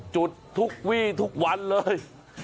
จุดทุกวี่ทุกวันเลย